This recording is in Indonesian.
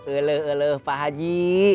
eluh eluh pak haji